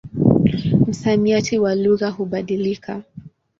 Msamiati wa lugha hubadilika.